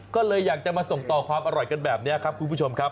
ก็เลยอยากจะมาส่งต่อความอร่อยกันแบบนี้ครับคุณผู้ชมครับ